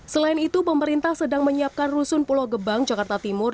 selain itu pemerintah sedang menyiapkan rusun pulau gebang jakarta timur